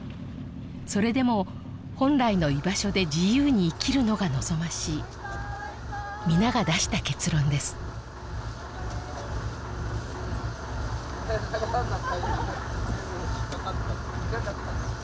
それでも本来の居場所で自由に生きるのが望ましい皆が出した結論です引っかかった？